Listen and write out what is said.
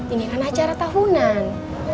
ini kan acara tahunan